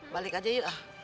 balik aja yuk